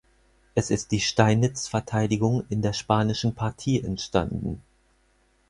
Es ist die Steinitz-Verteidigung in der Spanischen Partie entstanden.